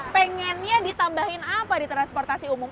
pengennya ditambahin apa di transportasi umum